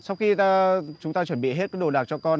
sau khi chúng ta chuẩn bị hết cái đồ đạc cho con